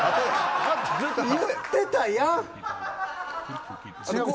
言ってたやん。